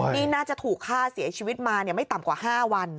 นี่น่าจะถูกฆ่าเสียชีวิตมาไม่ต่ำกว่า๕วัน